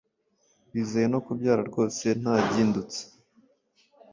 bizeye no kubyara rwose ntagindutse